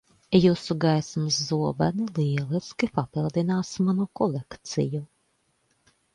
Jūsu gaismas zobeni lieliski papildinās manu kolekciju.